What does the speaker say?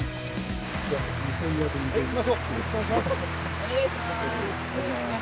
お願いします。